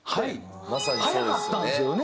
早かったんですよね。